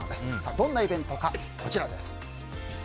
どんなイベントか、こちらです。